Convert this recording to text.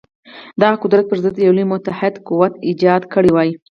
د هغه قدرت پر ضد یو لوی متحد قوت ایجاد کړی وای.